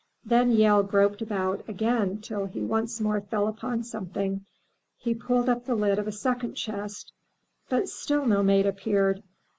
Then Yehl groped about again till he once more fell upon something. He pulled up the lid of a second chest. But still no maiden appeared.